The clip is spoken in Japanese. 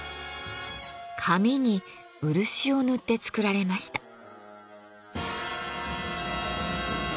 紙に漆を塗って作られました。